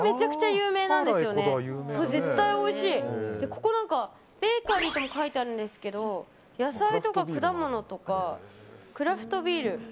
ここ、ベーカリーとも書いてあるんですけど野菜とか果物とかクラフトビール。